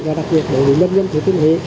và đặc biệt đối với nhân dân thủy tinh hệ